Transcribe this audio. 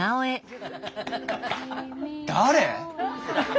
誰！？